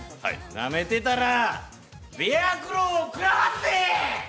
なめてたら、ベアクロー食らわずぜ！